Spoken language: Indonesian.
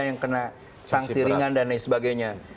yang kena sanksi ringan dan lain sebagainya